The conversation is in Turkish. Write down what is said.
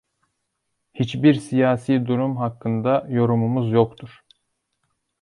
Hiçbir siyasi durum hakkında yorumumuz yoktur.